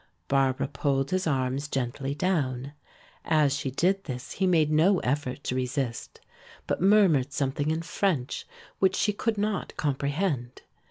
Barbara pulled his arms gently down. As she did this he made no effort to resist, but murmured something in French which she could not comprehend.